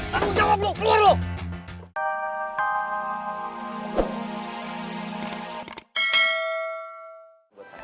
tanggung jawab lu keluar lu